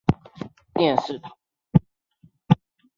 奥斯坦金诺电视塔。